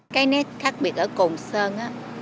cái nét khác biệt ở cồn sơn là